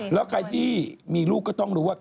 แล้วใครที่มีลูกก็ต้องรู้ว่า